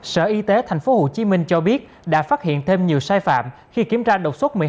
sở y tế thành phố hồ chí minh cho biết đã phát hiện thêm nhiều sai phạm khi kiểm tra độc xuất